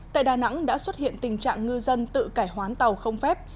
tại đà nẵng đã xuất hiện tình trạng ngư dân tự cải hoán tàu không phép